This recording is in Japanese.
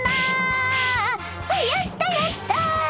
やったやった！